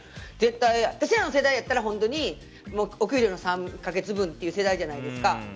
私らの世代やったらお給料の３か月分っていう世代じゃないですか。